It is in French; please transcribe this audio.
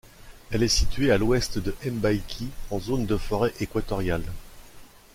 Elle est située à l’ouest de Mbaïki en zone de forêt équatoriale.